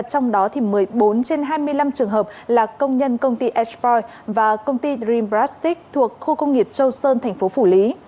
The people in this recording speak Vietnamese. trong đó một mươi bốn trên hai mươi năm trường hợp là công nhân công ty h poi và công ty dream brastic thuộc khu công nghiệp châu sơn thành phố phủ lý